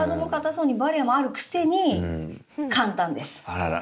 あらら！